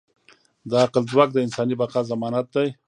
د عقل ځواک د انساني بقا ضمانت دی.